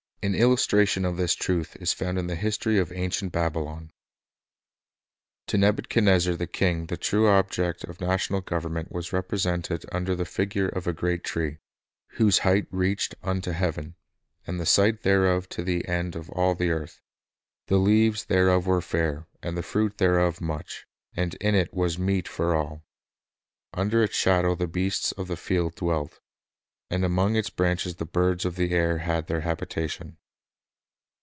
An illustration of this truth is found in the history of ancient Babylon. To Nebuchadnezzar the king the true object of national government was represented under the figure of a great tree, whose height "reached object of i ... r . Government unto heaven, and the sight thereof to the end of all the earth; the leaves thereof were fair, and the fruit thereof much, and in it was meat for all;" under its shadow the beasts of the field dwelt, and among its branches the birds of the air had their habitation.